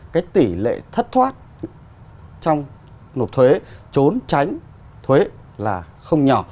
cái tỷ lệ thất thoát trong nộp thuế trốn tránh thuế là không nhỏ